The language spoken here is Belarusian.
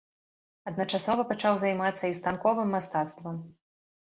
Адначасова пачаў займацца і станковым мастацтвам.